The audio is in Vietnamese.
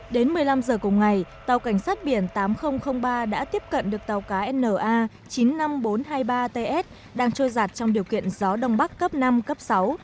đến một mươi năm giờ cùng ngày tàu cảnh sát biển tám nghìn ba đã tiếp cận được tàu cá na chín mươi năm nghìn bốn trăm hai mươi ba ts đang trôi giạt trong điều kiện gió đông bắc cấp năm cấp sáu